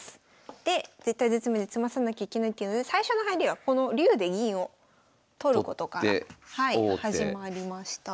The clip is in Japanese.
で絶体絶命で詰まさなきゃいけないっていうので最初の入りはこの竜で銀を取ることから始まりました。